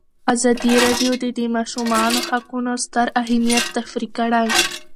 ازادي راډیو د د ماشومانو حقونه ستر اهميت تشریح کړی.